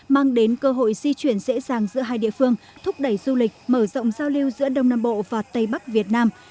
mang đến cơ hội di chuyển dễ dàng giữa hai địa phương thúc đẩy du lịch mở rộng giao lưu giữa đông nam bộ và tây bắc việt nam